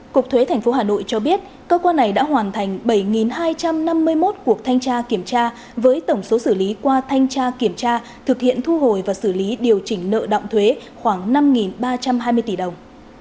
cục thuế tp hà nội cho biết cơ quan này đã hoàn thành bảy hai trăm năm mươi một cuộc thanh tra kiểm tra với tổng số xử lý qua thanh tra kiểm tra thực hiện thu hồi và xử lý điều chỉnh nợ động thuế khoảng năm ba trăm hai mươi tỷ đồng